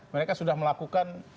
mereka sudah melakukan